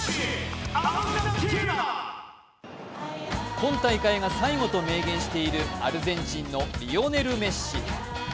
今大会が最後と明言しているアルゼンチンのリオネル・メッシ。